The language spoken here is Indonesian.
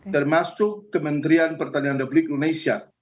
termasuk kementerian pertanian republik indonesia